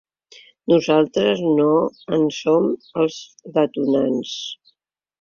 Nosaltres no en som els detonants.